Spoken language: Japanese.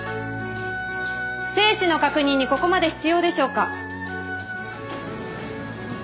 生死の確認にここまで必要でしょうか。